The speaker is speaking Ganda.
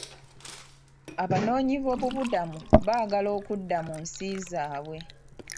Abanoonyi boobubudamu baagala okudda mu nsi zaabwe.